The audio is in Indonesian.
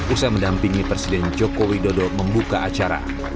usai mendampingi presiden joko widodo membuka acara